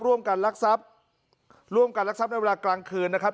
รักทรัพย์ร่วมกันรักทรัพย์ในเวลากลางคืนนะครับ